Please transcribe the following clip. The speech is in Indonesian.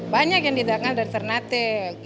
banyak yang didakkan dari ternate